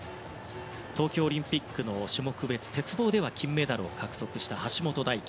東京オリンピックの種目別鉄棒では金メダルを獲得した橋本大輝。